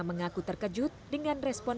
mengaku terkejut dengan respon